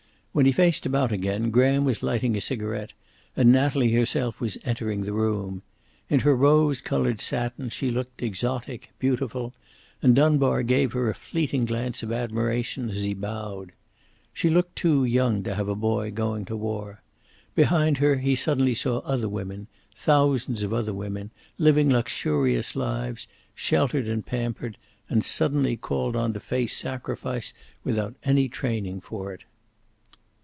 When he faced about again Graham was lighting a cigaret, and Natalie herself was entering the room. In her rose colored satin she looked exotic, beautiful, and Dunbar gave her a fleeting glance of admiration as he bowed. She looked too young to have a boy going to war. Behind her he suddenly saw other women, thousands of other women, living luxurious lives, sheltered and pampered, and suddenly called on to face sacrifice without any training for it.